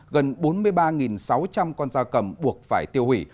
gần bốn mươi ba sáu trăm linh con da cầm buộc phải tiêu hủy